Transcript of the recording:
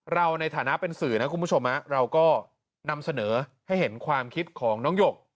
เราในฐานะเป็นสื่อนะคุณผู้ชมเราก็นำเสนอให้เห็นความคิดของน้องหยก